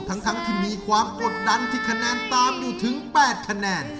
ทั้งที่มีความกดดันที่คะแนนตามอยู่ถึง๘คะแนน